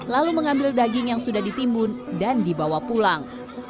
lalu mengambil daging yang sudah ditimbun dan dibawa pulang